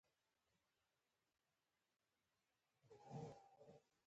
لاره کي چي به د چنګېز مړى له کوم ځايه تېرېدى